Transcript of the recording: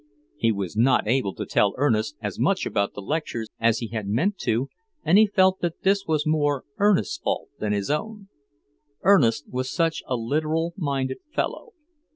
He was not able to tell Ernest as much about the lectures as he had meant to, and he felt that this was more Ernest's fault than his own; Ernest was such a literal minded fellow.